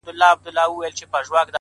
ستا د خولې سلام مي د زړه ور مات كړ ـ